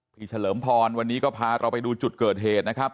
เฉลิมพรวันนี้ก็พาเราไปดูจุดเกิดเหตุนะครับ